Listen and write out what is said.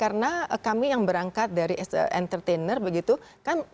karena kami yang berangkat dari entertainer begitu kan